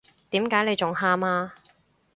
點解你仲喊呀？